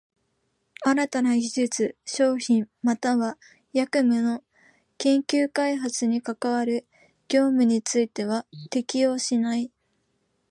新たな技術、商品又は役務の研究開発に係る業務については適用しない。